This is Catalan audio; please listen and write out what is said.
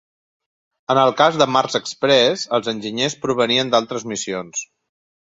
En el cas de Mars Express, els enginyers provenien d'altres missions.